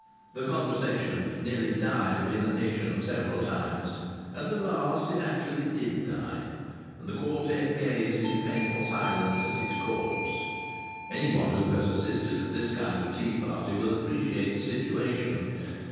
The conversation nearly died of inanition several times, and at last it actually did die, and the quartette gazed in painful silence at its corpse. Anyone who has assisted at this kind of a tea party will appreciate the situation.